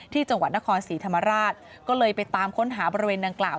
ที่จังหวัดนครศรีธรรมราชก็เลยไปตามค้นหาบริเวณดังกล่าว